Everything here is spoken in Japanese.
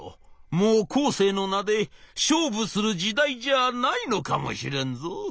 もうコーセーの名で勝負する時代じゃないのかもしれんぞ」。